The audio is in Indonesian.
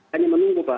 hanya menunggu pak